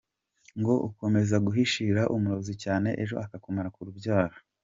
Ngo ukomeza guhishira umurozi cyane ejo akakumara ku rubyaro.